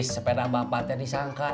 sepeda bapak tengah disangka